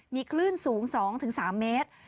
มีคลื่นสูง๒๓เมตร